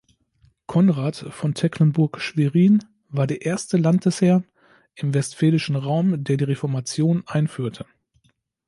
Konrad von Tecklenburg-Schwerin war der erste Landesherr im westfälischen Raum, der die Reformation einführte.